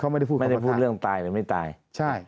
ไม่ได้พูดเรื่องตายหรือไม่ตาย